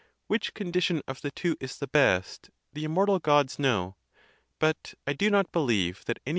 Which condition of the two is the best, the immortal Gods know; but I do not believe that any mortal man does."